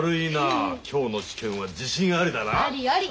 ありよあり！